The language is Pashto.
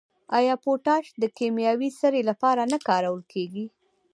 آیا پوټاش د کیمیاوي سرې لپاره نه کارول کیږي؟